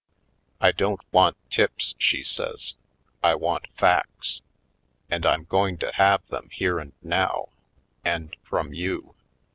"I don't want tips," she says, "I want facts. And I'm going to have them here and now — and from you!